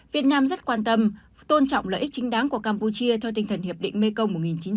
việt nam rất quan tâm tôn trọng lợi ích chính đáng của campuchia theo tinh thần hiệp định mekong một nghìn chín trăm bảy mươi năm